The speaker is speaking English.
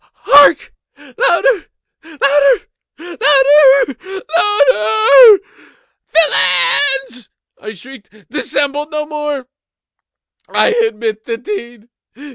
—hark! louder! louder! louder! louder! "Villains!" I shrieked, "dissemble no more! I admit the deed!